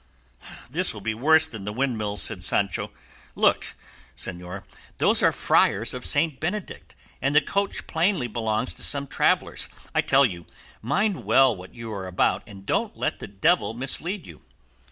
"This will be worse than the windmills," said Sancho. "Look, señor; those are friars of St. Benedict, and the coach plainly belongs to some travellers: I tell you to mind well what you are about and don't let the devil mislead you."